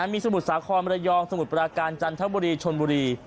มีสมุทรสาครมระยองสมุทรปราการจันทบุรีชนบุรี